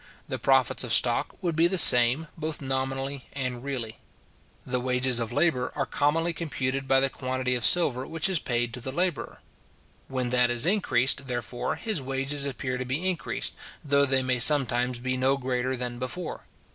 The profits of stock would be the same, both nominally and really. The wages of labour are commonly computed by the quantity of silver which is paid to the labourer. When that is increased, therefore, his wages appear to be increased, though they may sometimes be no greater than before.